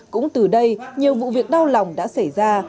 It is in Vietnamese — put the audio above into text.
cũng từ đây nhiều vụ việc đau lòng đã xảy ra